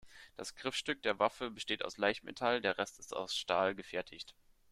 Das Griffstück der Waffe besteht aus Leichtmetall, der Rest ist aus Stahl gefertigt.